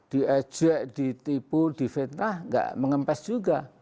diejek ditipu difitnah enggak mengempes juga